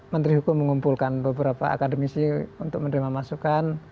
menteri hukum mengumpulkan beberapa akademisi untuk menerima masukan